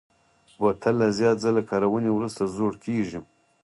بوتل له زیات ځله کارونې وروسته زوړ کېږي.